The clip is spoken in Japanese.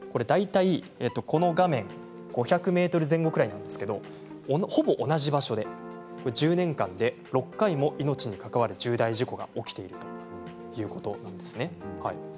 この画面５００ｍ前後くらいなんですけれどほぼ同じ場所で１０年間で６回も命に関わる重大事故が起きているということなんですね。